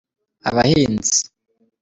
abahinzi.